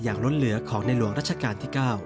ล้นเหลือของในหลวงรัชกาลที่๙